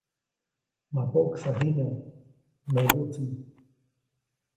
‒ma poʼksa jiŋäʼ‒ näbu tsiʼ.